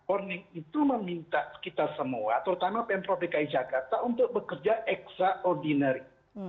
orning itu meminta kita semua terutama pemprov dki jakarta untuk bekerja extraordinary